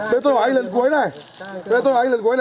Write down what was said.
đây tôi hỏi anh lần cuối này anh tên gì nhỉ